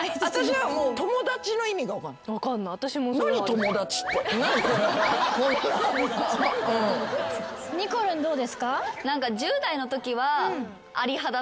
友達って。にこるんどうですか？